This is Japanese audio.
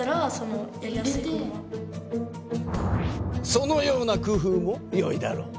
そのような工夫もよいだろう。